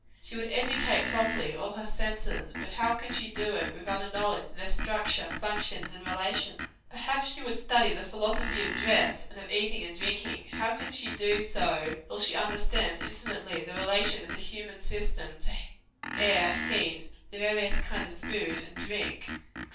She would educate, properly, all her senses; but how can she do it, without a knowledge of their structure, functions and relations? Perhaps she would study the philosophy of dress, and of eating and drinking. How can she do so, till she understands, intimately, the relation of the human system to air, heat, the various kinds of food, drink, &c.?